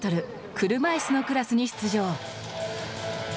車いすのクラスに出場。